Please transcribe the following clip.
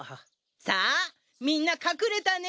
さあみんな隠れたね？